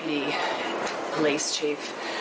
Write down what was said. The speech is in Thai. การเสพ